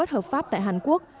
hợp pháp tại hàn quốc